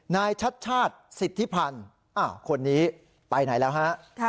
นายชัดชาติสิทธิพันธ์คนนี้ไปไหนแล้วฮะ